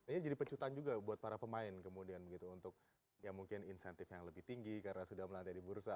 ini jadi pecutan juga buat para pemain untuk insentif yang lebih tinggi karena sudah melantai di bursa